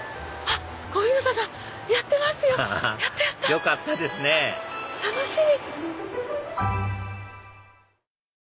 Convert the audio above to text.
よかったですね楽しみ！